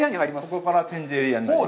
ここから展示エリアになります。